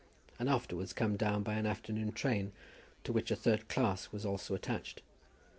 and afterwards come down by an afternoon train to which a third class was also attached.